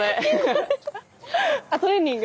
あっトレーニング？